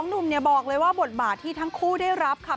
๒หนุ่มบอกเลยว่าบทบาทที่ทั้งคู่ได้รับครับ